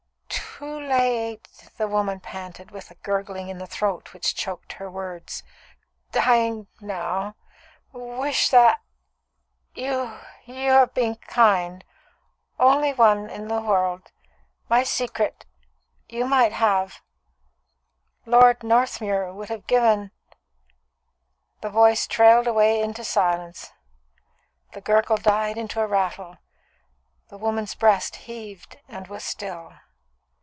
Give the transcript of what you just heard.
"Too late " the woman panted, with a gurgling in the throat which choked her words. "Dying now. Wish that you you have been kind only one in the world. My secret you might have Lord Northmuir would have given " The voice trailed away into silence. The gurgle died into a rattle; the woman's breast heaved and was still.